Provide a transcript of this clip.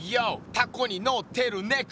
タコにのってるねこ」